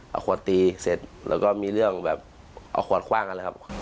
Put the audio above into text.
เอาขวดตีเสร็จแล้วก็มีเรื่องแบบเอาขวดคว่างกันเลยครับ